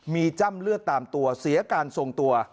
มีจ้ำเลือดตามตัวเสียการทรงตัว